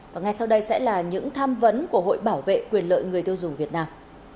và ngay sau đây sẽ là những tham vấn của hội bảo vệ quyền lợi người tiêu dùng việt nam